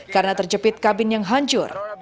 karena terjepit kabin yang hancur